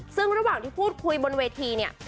ซึ่งระหว่างที่พูดคุยบนเวทีเนี่ย